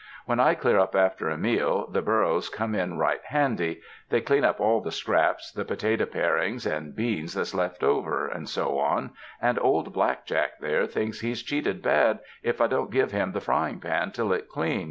When I clear up after a meal, the burros come in right handy ; they clean up all the scraps, the potato parings, and beans that's left over and so on, and old Black Jack there thinks he's cheated bad if I don't give him the frying pan to lick clean.